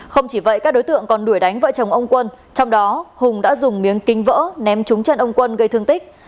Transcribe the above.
không chỉ vậy các đối tượng còn đuổi đánh vợ chồng ông quân trong đó hùng đã dùng miếng kinh vỡ ném trúng chân ông quân gây thương tích